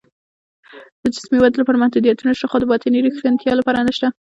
د جسمي ودې لپاره محدودیتونه شته، خو د باطني روښنتیا لپاره نشته